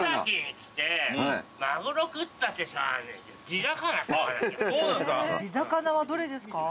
地魚はどれですか？